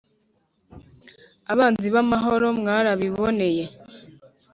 abanzi b'amahoro mwarabiboneye,